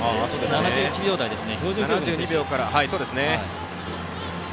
７１秒台ですね。